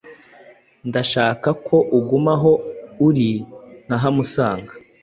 Ndashaka ko uguma aho uri nkahamusanga.